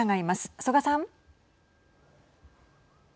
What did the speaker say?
曽我さん。